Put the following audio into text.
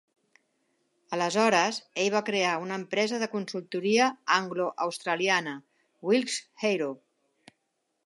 Aleshores, ell va crear una empresa de consultoria anglo-australiana, "Wilksch Aero".